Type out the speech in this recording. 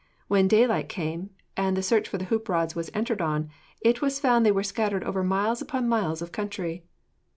When daylight came, and the search for the hoop rods was entered on, it was found they were scattered over miles upon miles of country.